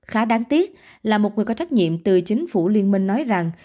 khá đáng tiếc là một người có trách nhiệm từ chính phủ liên minh nói rằng